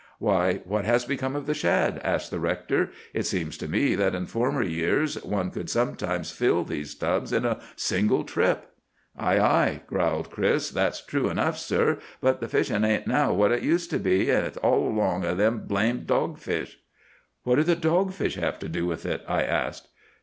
"'Why, what has become of the shad?' asked the rector. 'It seems to me that in former years one could sometimes fill these tubs in a single trip.' "'Ay, ay,' growled Chris, 'that's true enough, sir! But the fishin' ain't now what it used to be; and it's all along o' them blamed dogfish.' "'What do the dogfish have to do with it?' I asked.